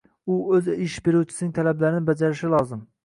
u o‘z ish beruvchisining talablarini bajarishi lozim.